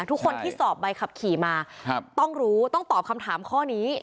ทุกคนที่สอบใบขับขี่มาต้องรู้ต้องตอบคำถามข้อนี้